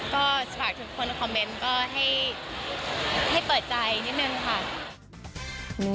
ก็ฝากทุกคนคอมเมนต์ก็ให้เปิดใจนิดนึงค่ะ